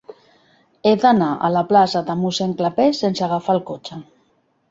He d'anar a la plaça de Mossèn Clapés sense agafar el cotxe.